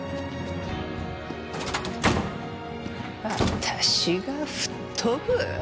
私が吹っ飛ぶ？